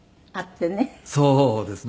そうですね。